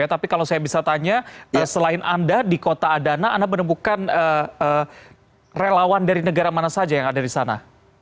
tapi kalau saya bisa tanya selain anda di kota adana anda menemukan relawan dari negara mana saja yang ada di sana